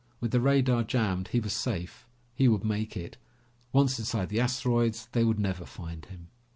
With the radar jammed, he was safe. He would make it. Once inside the asteroids, they would never find him.